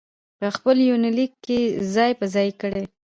په خپل يونليک کې ځاى په ځاى کړي